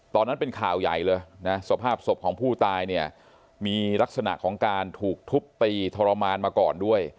ตอนนั้นเป็นข่าวใหญ่เลยนะสภาพศพของผู้ตายเนี่ยมีลักษณะของการถูกทุบตีทรมานมาก่อนด้วย